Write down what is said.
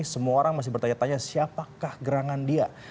semua orang masih bertanya tanya siapakah gerangan dia